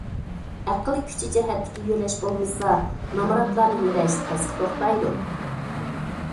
ئەقىل كۈچى جەھەتتىكى يۆلەش بولمىسا، نامراتلارنى يۆلەش تەسكە توختايدۇ.